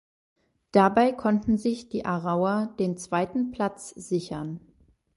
Dabei konnten sich die Aarauer den zweiten Platz sichern.